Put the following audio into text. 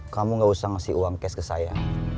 kamu gak usah ngasih uang cash ke saya